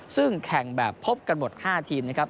ซึ่งแข่งแบบพบกันหมด๕ทีมนะครับ